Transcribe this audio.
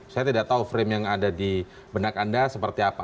saya tidak tahu frame yang ada di benak anda seperti apa